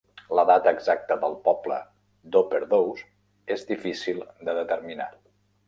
L'edat exacta del poble d'Opperdoes és difícil de determinar.